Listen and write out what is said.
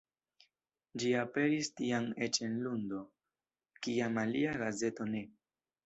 Ĝi aperis tiam eĉ en lundo, kiam alia gazeto ne.